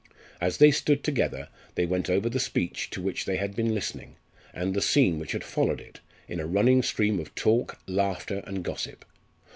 As they stood together they went over the speech to which they had been listening, and the scene which had followed it, in a running stream of talk, laughter, and gossip.